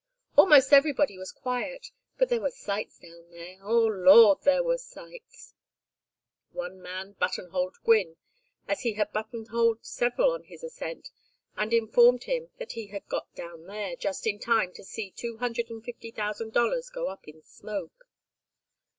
"Almost everybody was quiet, but there were sights down there, Oh, Lord, there were sights!" One man button holed Gwynne, as he had button holed others on his ascent, and informed him that he had "got down there" just in time to see two hundred and fifty thousand dollars go up in smoke.